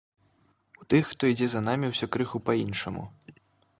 У тых, хто ідзе за намі, усё крыху па-іншаму.